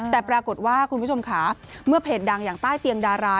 แต่ปรากฏว่าคุณผู้ชมค่ะเมื่อเพจดังอย่างใต้เตียงดารา